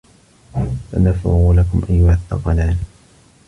سَنَفرُغُ لَكُم أَيُّهَ الثَّقَلانِ